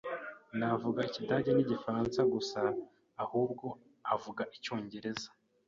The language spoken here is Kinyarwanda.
Ntavuga Ikidage n'Igifaransa gusa, ahubwo avuga Icyongereza.